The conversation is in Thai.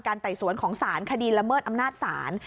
ไต่สวนของสารคดีละเมิดอำนาจศาล